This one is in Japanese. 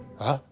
あ？